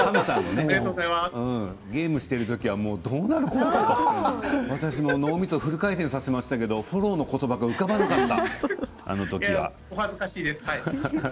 ゲームをしていた時はどうなるかと脳みそをフル回転させましたけどフォローの言葉が浮かばなかった。